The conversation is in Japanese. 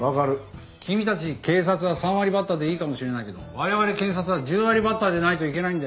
君たち警察は３割バッターでいいかもしれないけど我々検察は１０割バッターでないといけないんだよ。